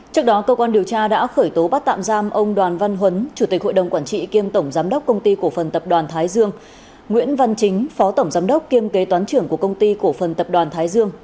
trước đó cơ quan điều tra đã khởi tố bắt tạm giam ông đoàn văn huấn chủ tịch hội đồng quản trị kiêm tổng giám đốc công ty cổ phần tập đoàn thái dương nguyễn văn chính phó tổng giám đốc kiêm kế toán trưởng của công ty cổ phần tập đoàn thái dương